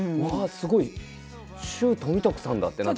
すごい周富徳さんだってなって。